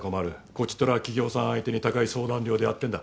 こちとら企業さん相手に高い相談料でやってんだ。